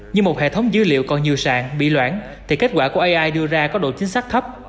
như một hệ thống dữ liệu còn nhiều sàn bị loãng thì kết quả của ai đưa ra có độ chính xác thấp